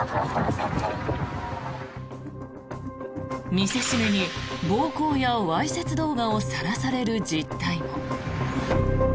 見せしめに暴行やわいせつ動画をさらされる実態も。